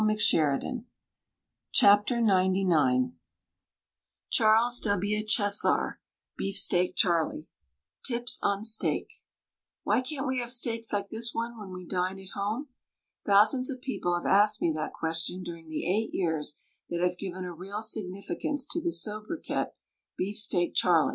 [i88] WRITTEN FOR MEN BY MEN XCIX Charles W, Chessar ("Beefsteak Charlie") TIPS ON STEAK "Why can't we have steaks like this one when we dine at home?" Thousands of people have asked me that question during the eight years that have given a real significance to the sobriquet, "Beefsteak Charlie."